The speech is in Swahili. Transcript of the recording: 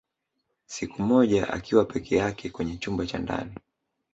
Siku moja akiwa peke yake kwenye chumba cha ndani